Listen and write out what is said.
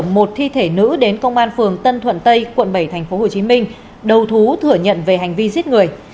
một thi thể nữ đến công an phường tân thuận tây quận bảy tp hcm đầu thú thừa nhận về hành vi giết người